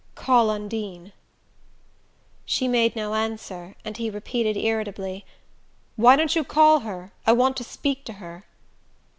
"Call Undine." She made no answer, and he repeated irritably: "Why don't you call her? I want to speak to her."